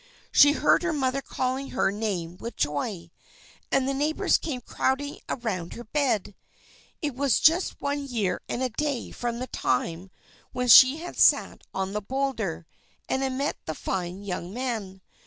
She heard her mother calling her name with joy; and the neighbours came crowding around her bed. It was just one year and a day from the time when she had sat on the boulder, and had met the fine young man.